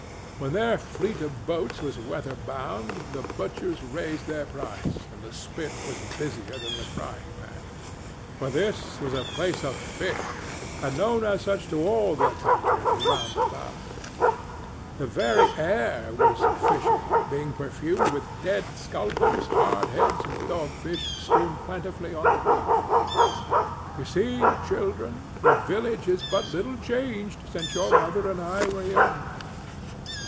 When their fleet of boats was weather bound, the butchers raised their price, and the spit was busier than the frying pan; for this was a place of fish, and known as such to all the country round about. The very air was fishy, being perfumed with dead sculpins, hard heads and dogfish strewn plentifully on the beach.—You see, children, the village is but little changed since your mother and I were young.